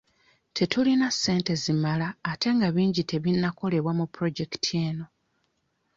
Tetulina ssente zimala ate nga bingi tebinnakolebwa ku pulojekiti eno.